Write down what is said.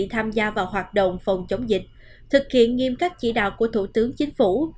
tham gia vào hoạt động phòng chống dịch thực hiện nghiêm các chỉ đạo của thủ tướng chính phủ